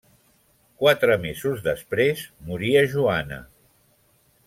Quatre mesos després moria Joana.